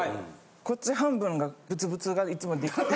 こっち半分がブツブツがいつも出来て。